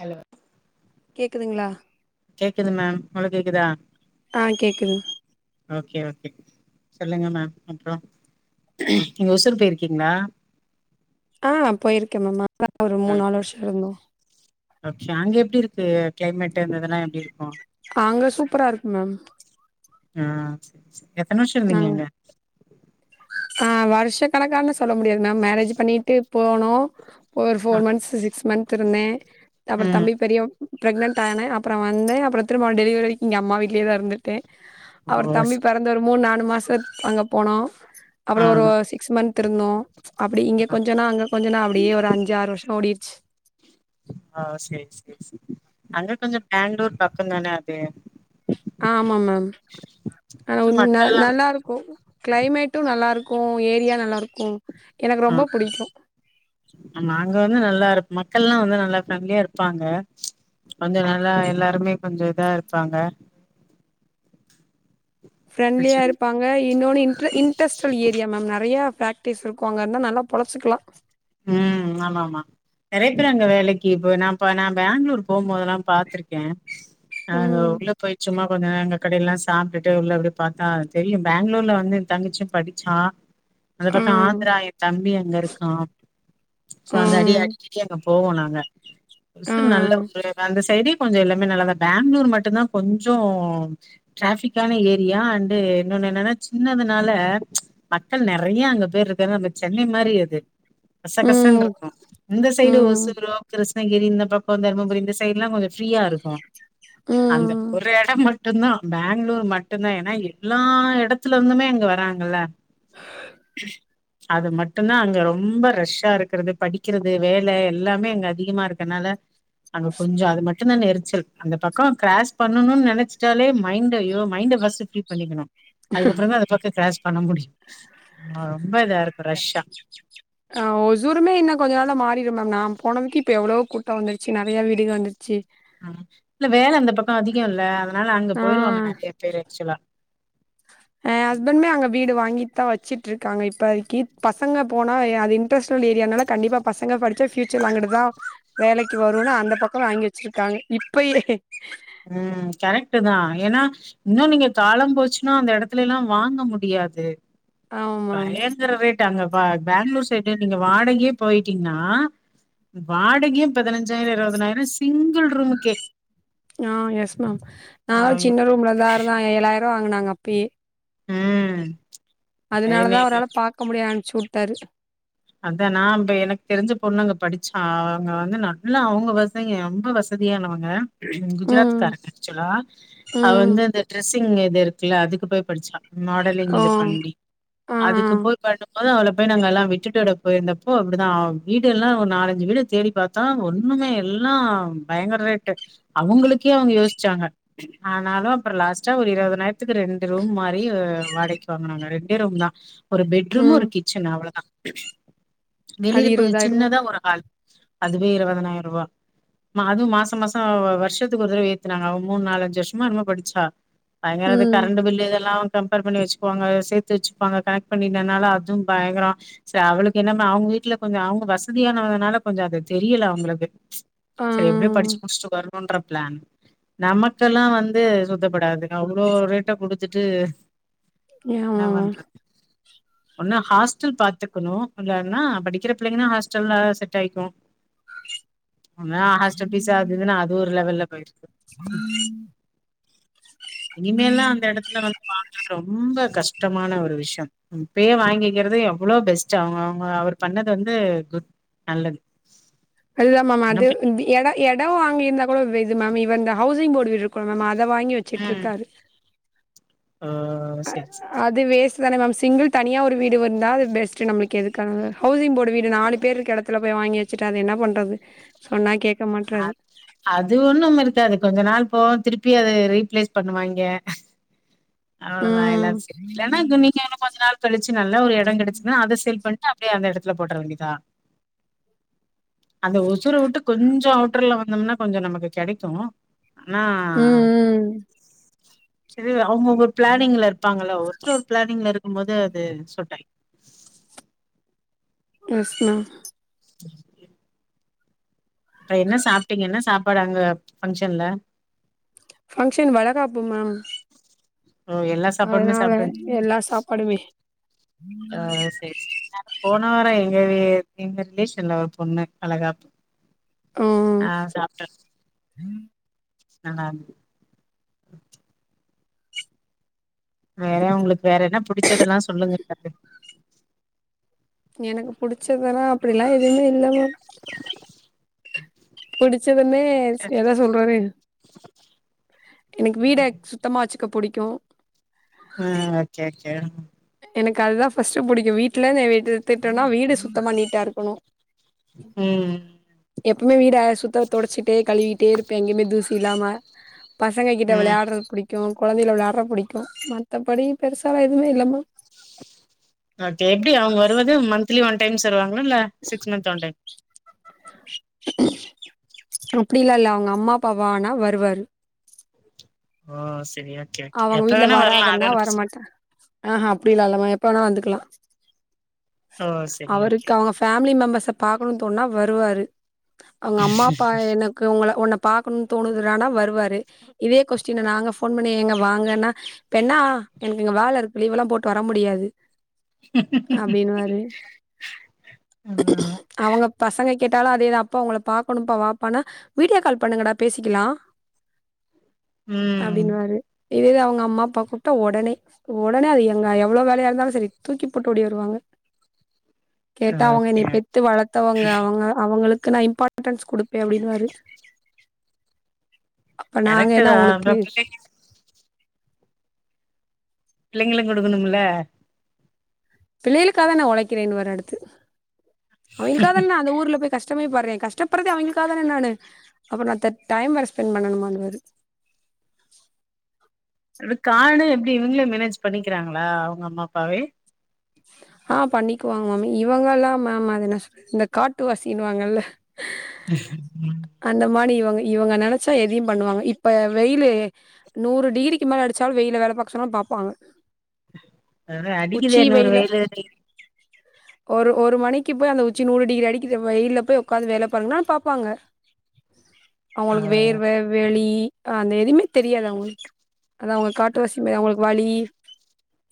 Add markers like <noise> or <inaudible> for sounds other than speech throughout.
Hello கேக்குதுங்களா கேக்குது ma'am உங்களு கேக்குதா ஆ கேக்குது ஓகே ஓகே சொல்லுங்க மேம் அப்றோ நீங்க ஒசூர் போயிருக்கீங்களா ஆ போயிருக்கே மேம் <inaudible> ஒரு மூணு நாலு வர்ஷா இருந்தோ ஓகே அங்க எப்டி இருக்கு கிளைமேட்டு இந்த இதுலா எப்படி இருக்கு அங்க சூப்பரா இருக்கு மேம் ம் சேர் சேர் எத்தன வர்ஷோ இருந்தீங்க நாங்க அங்க ஆ வருஷ கணக்கான்னு சொல்ல முடியாது மேம் மேரேஜ்ஜு பண்ணீட்டு போனோ ஃபோர் ஆ ஃபோர் மந்த்ஸ் சிக்ஸ் மந்த் இருந்த த அப்பறோ ம் தம்பி பெரிய பிரக்னண்ட் ஆன அப்பறோ வந்த அப்பறோ திரும்ப டெலிவரிக்கி இங்க அம்மா வீடலே தா இருந்துட்ட ஓ அவர் தம்பி சரி பெறந்து ஒரு மூண் நாலு மாசத் அங்க போனோ ஆ அப்பறோ ஒரு சி க்ஸ் மன்த் இருந்தோ அப்படி இங்க கொஞ்சன்னா அங்க கொஞ்சன்னா அப்படியே ஒரு அஞ்சாறு வருஷோ ஓடிர்ச்சு ஆ சேரி சேரி சேர் அங்க கொஞ்சோ பேங்களூர் பக்கோ தான அது ஆமா மேம் ஹ கொஞ்சோ உன் ந மக்கள்லா நல்லாயிருக்கு கிளைமேட்டூ நல்லாருக்கு ஏரியா நல்லாருக்கு எனக்கு ஆ ரொம்ப புடிக்கு ஆமா அங்க வந்து நல்லா இருக் மக்கள்லா வந்து நல்லா ப்ரெண்ட்லியா இருப்பாங்க கொஞ்சோ நல்லா எல்லாருமே கொஞ்சோ இதா இருப்பாங்க பிரெண்லியா பிரச்சன இருப்பா ங்க இன்னொன்னு இண்ர இண்ட்ரஸ்ட்டல் ஏரியா மேம் நறையா பேக்ட்ரீஸ் இருக்கு அங்க இருந்தா நல்லா பொழச்சிக்கலா ம் ஆமா ஆமா நறைய பேர் அங்க வேலைக்கி இப்ப நா பா நா பேங்களூர் போம் போதெல்லா பாத்திரு க்க அங்க ம் உள்ள போய் சும்மா கொஞ்ச நேங்க கடைல்லா சாப்ட்டுட்டு உள்ள அப்டி பாத்தா தெரியு பேங்களூர்ல வந்து எ தங்கிச்சியு படிச்சா அந்த பக்கோ ம் ஆந்தரா ஏ தம்பி அங்க இருக்கா சோ அந்த அடிய ம் அடிக்கடி அங்க போவ நாங்க ஓசூர் நல்ல ம் ஊரு அந்த சைடே கொஞ்ச எல்லாமே நல்லாதா பேங்களூர் மட்டுந்தா கொஞ்சோ டிராபிக்கான ஏரியா அண்டு இன்னொன்னு என்னன்னா சின்னதுனால மக்கள் நெறைய அங்க பேர் இருக்காங்க நம்ப சென்னை மாரி அது ம் கசக்கசன்ருக்கு இந்த சைடு ம் ஓசூரோ கிருஷ்ணகிரி இந்த பக்கோ தர்மபுரி இந்த சைடுலா கொஞ்சோ ஃப்ரீயா இருக்கு அந்த ம் ஒரு எடம் மட் டுந்தா பேங்களூர் மட்டுந்தா எனா எல்லா எடத்துல இருந்துமே அங்க வராங்கல்ல அது மட்டுதா அங்க ரொம்ப ர ஷ்ஷா இருக்கறது படிக்கறது வேல எல்லாமே எங்க அதிகமா இருக்கனால அங்க கொஞ்சோ அது மட்டுந்தான் நெரிச்சல் அந்த பக்கோ கிராஸ் பண்ணுன் நெனச்ட்டாலே மைண்டு ஐயோ மைண்ட ஃபர்ஸ்டு ஃப்ரீ பண்ணிக்கணு அதுக்கப்பறோ தா அது பக்க கிராஸ் பண்ண முடியு ரொம்ப இதா இருக்கு ரஷ்ஷ ஆ ஒசூருமே இன்னு கொஞ்ச நாள்ல மாறிடும் மேம் நா போனதுக்கு இப்ப எவ்வளோ கூட்டோ வந்துருச்சி நறையா வீடுக வந்துரு ச்சி ஆ இல்ல வேல அந்த பக்கோ அதிகோ இல்ல அதனால அங்க போயிருவாங்க ஆ நறையா பேரு ஆக்சுவலா ஏ ஹஸ்பண்மே அங்க வீடு வாங்கிட் தா வச்சிட்ருக்காங்க இப்பதிக்கி பசங்க போனா யா அது இன் ட்டரஸ்டல் ஏரியானால கண்டிப்பா பசங்க படிச்சா பியூச்சர்ல அங்குட்டுதா வேலைக்கு வரூன்னு அந்த பக்கோ வாங்கி வெச்சிருக்காங்க இப்பயே ம் கரெக்ட்டு தா ஏன்னா இன்னோ நீங்க காலம் போச்சின்னா அந்த எடத்துலல்லா வாங்க முடியாது ஆமாம் பயங்கர ரேட் அங்க ப பேங்களூர் சைடு நீங்க வாடகையே போயிட்டீங்ன்னா வாடகையே பதினஞ்சாயிரம் இருபதனாயிரம் சிங்குள் ரூமுக்கே ஆ எஸ் மேம் நாங்க ஐயோ! சின்ன ரூம்ல தா இருந்த ஏழாயிரம் வாங்குனாங்க அப்பய அ அதனால தா அவராள பாக்க முடியாது அனுச்சி விட்டாரு அத்தா நா இ எனக்கு தெரிஞ்ச பொண்ணுங்க படிச்சா அவுங்க வந்து நல்லா அவுங்க வசிங்க ரொம்ப வசி சதியானவுங்க குஜராத் ம் காரங்க ஆக்சுலா அவ ம் வந்து இந்த ட்ரெஸ்ஸிங் இது இருக்குல்ல அதுக்கு போய் படிச்சா மாடலிங் ஓ இது பண்ணி ஆ அதுக்கு போய் பண்ணும் போது அவள போய் நாங்கல்லா விட்டு வீட்டோட போயிருந்தப்போ அப்படிதா வீடுல்லா ஒரு நாலஞ்சி வீட தேடி பாத்தா ஒண்ணுமே எல்லா பயங்கர ரேட்டு அவுங்களுக்கே அவுங்க யோச்சாங்க ஆனாலு அப்புற லாஸ்ட்டா ஒரு இருபது நாயிரத்துக்கு ரெண்டு ரூம் மாரி வாடைக் வாங்கனாங்க ரெண்டே ரூம் தா ஒரு பெட்ரூம் ம் ஒரு கிச்சன் அவ்வளோதான் அது வெளியில கொஞ்சம் இருவதாயிரூபா சின்னதா ஒரு ஹால் அதுவே இருவதனாயிரூபா அதுவும் மாசொ மாசொ வருஷத்துக்கு ஒரு தடவ ஏத்துனாங்க அவன் மூணு நாலஞ்சு வருஷமா என்னமோபடிச்சா தங்கரது ம் கரண்ட் பில் இதெல்லாம் கம்பேர் பண்ணி வச்சுக்குவாங்க சேத்து வச்சுப்பாங்க கனெக்ட் பண்ணிகனால அதுவும் பயங்கரம் ச அவளுக்கு என்ன அவங்க வீட்டுல கொஞ்சம் அவங்க வசதியானனால கொஞ்சம் அது தெரியல அவங்களுக்கு ஆ சரி எப்படியோ படிச்சு முடிச்சட்டு வரணுன்ற பிளான் நமக்கெல்லாம் வந்து சுத்தப்படாது அவ்வளோ ரேட்டா குடுத்துட்டு என்ன ஆமாமா பண்றது ஒன்னு ஹாஸ்டல் பாத்து ருக்கனும் இல்லானா படிக்கிற பிள்ளைங்கன்னா ஹாஸ்டல்ல செட் ஆய்க்கும் அம ஹாஸ்டல் பீஸ் ஆகுதுன்னா அது ஒரு லெவல்ல போயிர்ச்சு ம் இனிமே எல்லாம் அந்த எடத்துல வந்து பாக்குறது ரொம்ப கஷ்டமான ஒரு விஷ்யம் இப்பயே வாங்கிக்கிறது எவ்வளோ பெஸ்ட் ச்ச ஆமா ஆமா அவர் பண்ணது வந்து குட் நல்லது அதுதான் மேம் என்ன அது பி வந்து எடொ எடொம் அங்க இருந்தா கூட ஒர் இது மேம் இவ இந்த ஹவுசிங் போர்டு குழமமா அத வாங்கி வச்சிட்டு இருக்காரு ஆ செர் செ செ அது வேஸ்ட் தான மேம் சிங்குள் தனியா ஒரு வீடு வந்தால் அது பெஸ்ட் நம்ளுக்கு எதுக்காக ஹவுசிங் போர்டு வீடு நாலு பேர் இருக்க எடத் த்துல போய் வாங்கி வச்சுட்டு அது என்ன பண்றது சொன்னா கேக்க மாட்டுறார் அது ஒன்னும் இருக்காது அது கொஞ்ச நாள் போம் திருப்பி அதது ரீப்ளேஸ் பண்ணுவாய்ங்க அவ்வளோதான் ம் எல்லாம் சே கொஞ்ச நாள் கழிச்சு நல்ல ஒரு எடம் கிடைச்சா அத சேல் பண்ணி ட்டு அப்டியே அந்த எடத்துல போட்டறவேண்டிதா அந்த ஒசுர விட்டு கொஞ் ஜோ அவுட்டர்ல வந்தம்னா கொஞ்சம் நமக்கு கிடைக்கும் ஆனா ம் ம் சரி அவுங்கவுங்க ஒரு பிளானிங்ல இருப்பாங்கள ஒருத்தர் ஒரு பிளானிங்ல இருக்கும் போது அது சொல்டாய்ங் எஸ் மேம் அப்ப என்ன சாப்ட்டீங்க என்ன சாப்பாடு அங்க ஃபங்க்ஷன்ல ஃபங்க்ஷன் வளகாப்பு மேம் ஓ எல்லா சாப்பாடுமே அதனால சாப்டு எல்லா சாப்பாடுமே ஆ செரி செரி போன வாரம் எங்க எங்க ரிலேஷன்ல ஒரு பொண்ணு வளகாப்பு ம் ஆ சாப்ட்ட நல்லாருந்தது வேற உங்களுக் வேற என்னா புடிச்சதெல்லா சொல்லுங்க எனக்கு புடிச்சதெல்லா அப்படி எல்லா எதுவுமே இல்லாம புடிச்சதுமே எத சொல் <unintelligible> எனக்கு வீட சுத்தமா வச்சுக்க புடிக்கு ம் ஓகே ஓகே எனக்கு அதுதா ஃபர்ஸ்ட் புடிக்கு வீட்ல எடுதிட்டனா வீடு சுத்தமா நீ ட்டா இருக்கணு ம் எப்புமே வீட சுத்த தொடச்சிட்டே கழுவிட்டே இருப்பே எங்கயுமே தூசி இல்லாம பசங்க கிட்ட ம் விளையாட்றது புடிக்கு கொழந்தையில விளையாட்ற புடிக்கு மத்தபடி பெருசால எதுவுமே இல்லம்மா ஓகே எப்டி அவுங் வருவது மந்த்லி ஒன் டைம்ஸ் வருவாங்ளா இல்ல சிக்ஸ் மந்த் ஒன் டைம் அப்டிலா இல்ல அவுங்க அம்மா அப்பா வனா வருவாரு ஒ செரியா அவுங்க வீட்ல வராதன்னா வரமாட்ட ஆஹ அப்டில இல்லமா எப்ப வேணா வந்துக்லா ஓ சரி ஓகே அவருக்கு அவுங்க ஃபேமிலி மெம்பர்ஸ பார்க்கணுன் தோன்னா வருவாரு அவுங்க அம்மா அப்பா எனக் கு உங்கள உன்ன பார்கணுன் தோணுதுரான வருவாரு இதே கொஸ்டின் நாங்க போன் பண்ணி ஏங்க வாங்கன்னா இப்பென்னா எனக்கு இங்க வேல இருக்கு லீவெல்லா போட்டு வர முடியாது அப்டின்னுவாரு ஆ அவுங்க பசங்க கேட்டாலு அதேதா அப்பா உங்கள பாக்கணுப்பா வாப்பானா வீடியோ கால் பண்ணுங்கடா பேசிக்கிலா ம் அப்டின்னுவாரு இதுவே அவுங்க அம்மா அப்பா கூப்ட்ட உடனே உடனே அது எங்க எவ்ளோ வேலையா இருந்தாலு செரி தூக்கி போட்டு ஓடி வருவாங்க ஆ கேட்டா அவுங்க என்னைய பெத்து வளர்த்தவங்க அவுங்க அவுங்களுக்கு நா இம் பார்டன்ஸ் குடுப்பே அப்டின்னு வாரு அப்ப நாங்க கரெக்ட் என்ன தான் உங்களுக்கு பிள்ளைங்களுக் குடுக்குணும்ல பிள்ளைகளுக்க தான உழைக்கிறேன்னு வாரு அடுத்து அவிங்களுக்கா தான அந்த ஊர்ல போய் கஷ்டமே பர்றே கஷ்டப்பர்றதே அவிங்களுக்காக தான நானு அப்புறோ நா த டைம் வேர ஸ்பெண்ட் பண்ணணுமாரு அந்த காடு எப்டி இவுங்ளே மேனேஜ் பண்ணிக்கிறாங்ளா அவுங்க அம்மா அப்பாவே ஆ பண்ணிக்குவாங்ளமே இவுங்கல்லா மேம் அது என்ன சொல்லு இந்த காட்டு வாசினுவாங்கல ம் அந்த மானி இவுங்க இவுங்க நெனச்சா எதையு பண்ணுவாங்க இப்ப வெயிலு நூறு டிகிரிக்கு மேல அடிச்சாலு வெயில்ல வேல பாக்க சொன்னா பாப்பாங்க அது அடிக்குதே உச்சி இன்னொரு வெயிலு ஒரு ஒரு மணிக்கு போய் அந்த உச்சி நூறு டிகிரி அடிக்கிற வெயில் போய் உட்காந்து வேல பாருங்கன்னா பார்ப்பாங்க அவுங்ளுக்கு ஆ வேர்வ வெளி் அந்த எதுமே தெரியாது அவுங்ளுக்கு அதா அவுங்க காட்டுவாசி மாரி அவுங்ளுக் வலி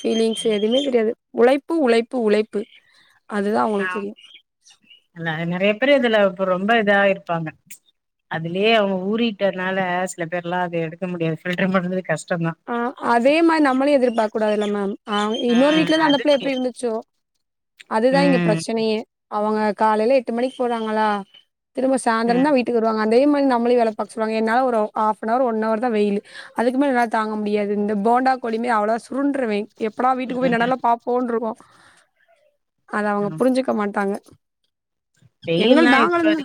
ஃபீலிங்ஸ் எதுமே தெரியாது உழைப்பு உழைப்பு உழைப்பு அதுதா அவுங்களுக்கு தெரியு இல்ல நெறைய பேரு இதுல இப்ப ரொம்ப இதா இருப்பாங்க அதுலே அவுங்க ஊறிட்டனால சில பேர்லா அது எடுக்க முடியாது ஃபில்டர் பண்றது கஷ்டந்தா ஆ அதே மாரி நம்மளு எதிர்பார்க்க கூடாதுல்ல மேம் அ இன்னொரு ம் வீட்ல இருந்த அந்த அது பிள்ள எப்டி முடியாது இருந்துச்சோ அதுதா இங்க ம் பிரச்சனையே அவுங்க காலையில எட்டு மணிக் போறாங்களா திரும்ப சாய்ந்தரதா ம் வீட்டுக்கு வருவாங்க அதே மாரி நம்மளை வேல பாக்க சொல்வாங்க என்னால ஒரு ஒ ஹாஃப்னவர் ஒன் அவர்தா வெயில் அதுக்கு மேல் என்னால தாங்க முடியாது இந்த போண்டா கோழிமே அவ்வளா சுருன்றுவெ எப்படா வீட்டுக்கு போய் நெனல பாப்போன் இருக்கூ அத அவங்க ம் புரிஞ்சுக்க மாட்டாங்க எங்கள் வெயில்லா இப்ப நாங்களுந்தா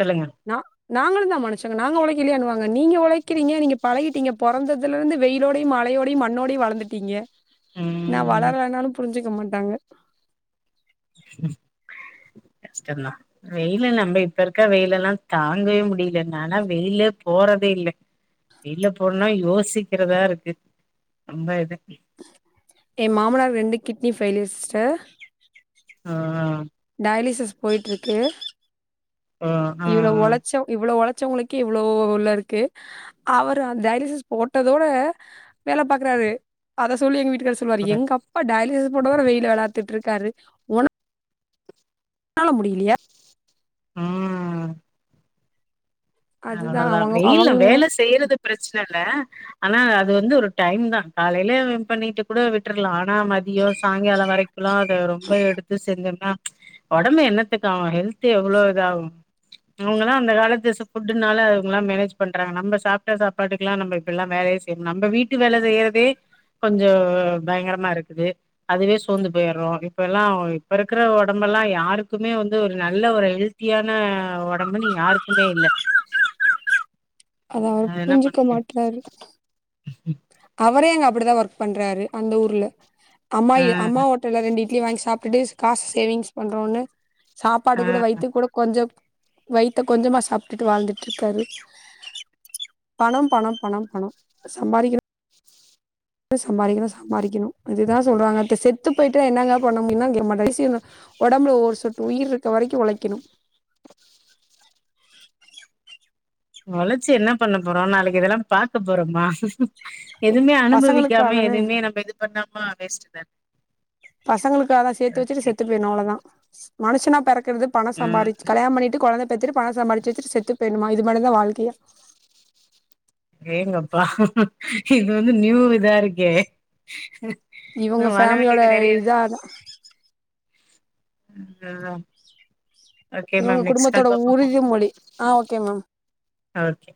சொல்லுங்க நா நாங்களுந்தா மனுஷங்க நாங்க ஒழைக்கலையான்னுவாங்க நீங்க ஒழைக்கிறீங்க நீங்க பழகிட்டீங்க பொறந்ததுல இருந்து வெயிலோடையு மழையோடையு மண்ணோடையு வளந்துட்டீங்க நா ம் வளர்லனாலு புரிஞ்சுக்க மாட்டாங்க கஷ்டந்தா வெயில நம்ம இப்ப இருக்கா வெயில் எல்லா தாங்கவே முடியல நானா வெயில்ல போறதே இல்ல வெயில்ல போனா யோசிக்கிறதா இருக்கு ரொம்ப இது எ மாமனார் ரெண்டு கிட்னி ஃபெய்லிய சிஸ்ட ஆ ஆ டயலிசிஸ் போயிட்ருக்கு ஆ ஆ இவ்வளோ ஒழச்சோ இவ்வளோ ஒழச்சவங்களு க்கே இவ்வளோ உள்ள இருக்கு அவர் அந்த டயலிசிஸ் போட்டதோட வேல பாக்குறாரு அத சொல்லி எங்க வீட்டு கார் சொல்லுவாரு ஆ எங்க அப்பா டயலியஸ் போட்டவரு வெயில வேல வாத்துட்டு இருக்காரு உன்னால முடியலையா ம் அதுதா அவ்வளோதா அவங்க வெயில்ல அவங்க வேல செய்யறது ப்ரெச்சன இல்ல ஆனா அது வந்து ஒரு டைம் தா காலையிலேவு பண்ணிட்டு கூட விட்டுர்லா ஆனா மதியோ சாயங்காலோ வரைக் குலா அத ரொம்ப எடுத்து செஞ்சோனா ஓடம்பு என்னத்துக்கு ஆவோ ஹெல்த்து எவ்வளோ இதாகூ அவங்காளா அந்த காலத்து சு ஃபுட்டு்னால இவங்கலா மேனேஜ் பண்றாங்க நம்ம சாப்ட்ட சாப்பாட்டுக்குலா நம்ம இப்பில்லா வேலையெ செய் நம்ப வீட்டு வேல செய்யறதே கொஞ்சோ பயங்கரமா இருக்குது அதுவே சோர்ந்து போயிர்றோ இப்ப எல்லா இப்ப இருக்கிற ஒடம்பெல்லா யாருக்குமே வந்து ஒரு நல்ல ஒரு ஹெல் த்தியான ஓடம்புனு யாருக்குமே இல்ல அத அவ அது என்ன பண்ண புரிஞ்சுக்க முடியு மாட்றாரு அவரே அங்க அப்புடிதா ஒர்க் பண்றாரு அந்த ஊர்ல அம்மா ஆ இ அம்மா ஓட்டல்ல ரெண்டு இட் லி வாங்கி சாப்ட்டுட்டு காசு சேவிங்ஸ் பண்றோன்னு சாப்பாடு ஆ கூட வைத்து கூட கொஞ்சோ வயித்த கொஞ்சமா சாப்ட்டுட்டு வாழ்ந்துட்ருக்காரு பணோ பணோ பணம் பணோ அ சம்பாரிக்கிர ணு சம்பாரிக்கணு சம்பாரிக்கணு இதுதா சொல்றாங்க து செத்து போயிட்டா என்னங்க பண்ண முடியுனா கிர்மா பேசினா ஓடம்புல ஒரு சொட்டு உயிர் இருக்க வரைக்கூ ஓழைக்கணு ஒழச்சு என்ன பண்ண போறோ நாளைக்கு இதெல்லா பாக்க போறோமா எதுவுமே பசங்களுக்காக அனுபவிக்காம தானே எதுவுமே நம்ம இது பண்ணாம அ வேஸ்ட்டு தான் பசங்களுக்கு அதா சேத்து வச்சுட்டு செத்து போயிர்ணு அவ்ளோதா மனுஷனா பெறக்கறது பணோ ம் சம்பாரிச் கல்யாண் பண்ணிட்டு கொழந்த பெத்துட்டு பணோ சம்பாதிச்சு வச்சிட்டு செத்து போயிர்ணுமா இது மாரி தா வாழ்க்கையா ஏங்கெப்பா இது வந்து நியூ இதா இருக் கே இன்னு வாழ வேண்டியது நெறையா இரு அதா ம் சரிதா ஓக்கே இவங்க மேம் நெக்ஸ்ட் குடும்பத்தோட கால் பாப்போமா உறுதிமொழி ஆ ஓகே மேம் ஓக்கே